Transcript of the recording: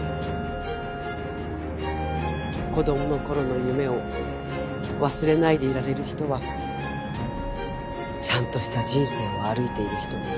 子供の頃の夢を忘れないでいられる人はちゃんとした人生を歩いている人です。